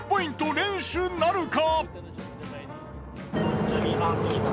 連取なるか。